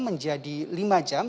menjadi lima jam